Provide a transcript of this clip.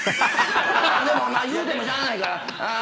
「でもまあ言うてもしゃあないから」